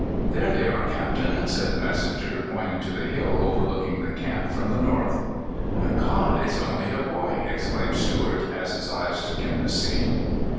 *' There they are, Captain," said the messenger, pointing to the hill overlooking the camp from the north. *'My God! it's only a boy! " exclaimed Stuart, as his eye took in the scene.